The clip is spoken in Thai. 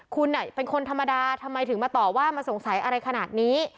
คุณเป็นคนธรรมดาทำไมถึงมาต่อว่ามาสงสัยอะไรขนาดนี้